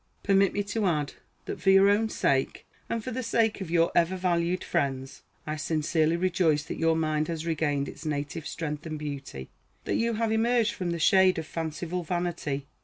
Permit me to add, that for your own sake, and for the sake of your ever valued friends, I sincerely rejoice that your mind has regained its native strength and beauty; that you have emerged from the shade of fanciful vanity.